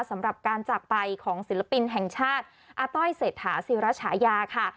สำหรับการจากไปของศิลปินแห่งชาติอาต้อยเศรษฐาศิรัชญาค่ะ